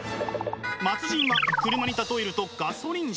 末人は車に例えるとガソリン車。